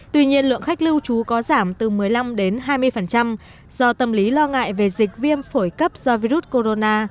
tuy nhiên lượng khách lưu trú có giảm từ một mươi năm đến hai mươi do tâm lý lo ngại về dịch viêm phổi cấp do virus corona